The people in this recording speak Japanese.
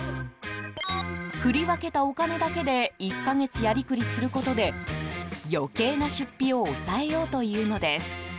振り分けたお金だけで１か月やりくりすることで余計な出費を抑えようというのです。